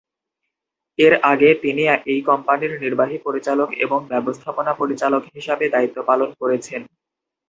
এর আগে, তিনি এই কোম্পানির নির্বাহী পরিচালক এবং ব্যবস্থাপনা পরিচালক হিসাবে দায়িত্ব পালন করেছেন।